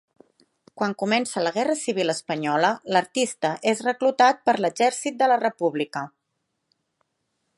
Quan comença la Guerra Civil Espanyola l'artista és reclutat per l'exèrcit de la República.